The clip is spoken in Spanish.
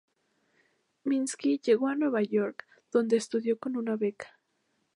Minsky llegó a Nueva York donde estudió con una beca.